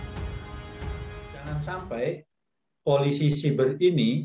jangan sampai polisi siber ini